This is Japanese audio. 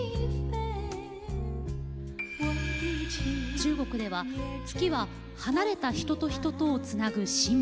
中国では月は離れた人と人とをつなぐシンボル。